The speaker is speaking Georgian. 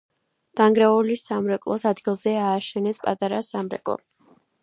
დანგრეული სამრეკლოს ადგილზე ააშენეს პატარა სამრეკლო.